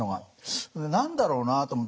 それで何だろうなと思って。